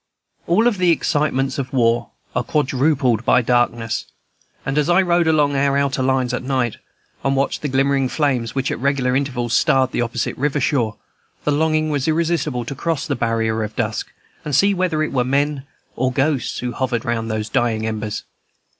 All the excitements of war are quadrupled by darkness; and as I rode along our outer lines at night, and watched the glimmering flames which at regular intervals starred the opposite river shore, the longing was irresistible to cross the barrier of dusk, and see whether it were men or ghosts who hovered round those dying embers.